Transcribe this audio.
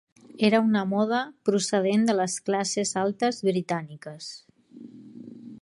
Era una moda procedent de les classes altes britàniques.